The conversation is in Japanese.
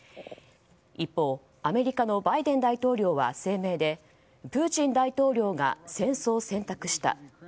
一方、アメリカのバイデン大統領は声明でプーチン大統領が戦争を選択した。